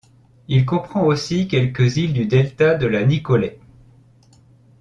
Il comprend aussi quelques îles du delta de la Nicolet.